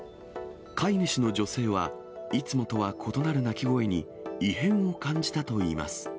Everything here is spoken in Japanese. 飼い主の女性は、いつもとは異なる鳴き声に、異変を感じたといいます。